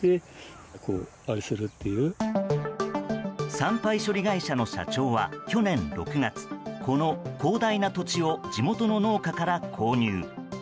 産廃処理会社の社長は去年６月この広大な土地を地元の農家から購入。